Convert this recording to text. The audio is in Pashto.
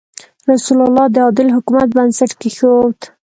رسول الله د عادل حکومت بنسټ کېښود.